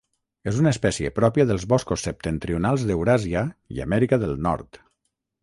És una espècie pròpia dels boscos septentrionals d'Euràsia i Amèrica del Nord.